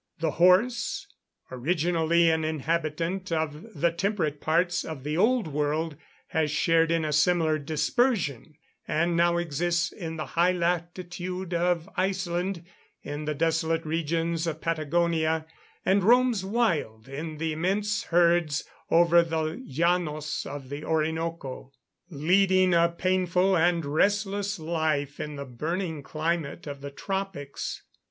The horse, originally an inhabitant of the temperate parts of the Old World, has shared in a similar dispersion, and now exists in the high latitude of Iceland, in the desolate regions of Patagonia, and roams wild in immense herds over the Llanos of the Orinoco, leading a painful and restless life in the burning climate of the tropics.